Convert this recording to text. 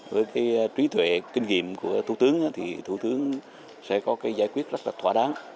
với trí tuệ kinh nghiệm của thủ tướng thì thủ tướng sẽ có giải quyết rất là thỏa đáng